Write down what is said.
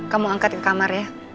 kamu angkat ke kamar ya